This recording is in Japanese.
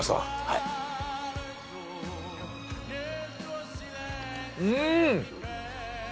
はいうん！